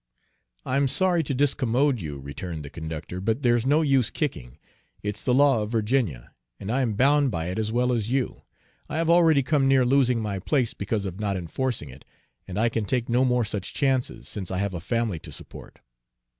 "I'm sorry to discommode you," returned the conductor, "but there's no use kicking. It's the law of Virginia, and I am bound by it as well as you. I have already come near losing my place because of not enforcing it, and I can take no more such chances, since I have a family to support."